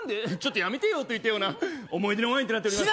「やめてよ」といったような思い出のワインとなっております